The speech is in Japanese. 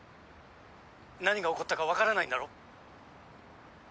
何が起こったか分からないんだろ？